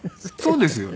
そうですよね。